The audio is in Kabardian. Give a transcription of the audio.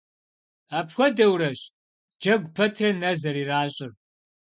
Апхуэдэурэщ джэгу пэтрэ нэ зэрыращӏыр.